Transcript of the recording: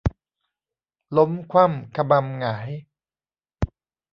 ล้มคว่ำคะมำหงาย